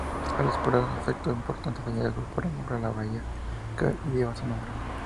Al explorar efectuó importantes hallazgos, por ejemplo la bahía que hoy lleva su nombre.